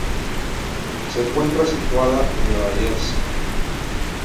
Se encuentra situada en Nueva Jersey.